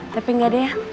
tapi enggak deh